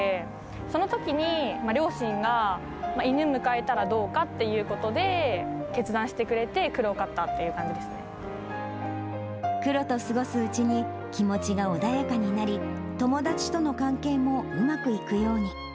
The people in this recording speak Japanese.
そのときに両親が犬、迎えたらどうかっていうことで決断してくれて、クロと過ごすうちに、気持ちが穏やかになり、友達との関係もうまくいくように。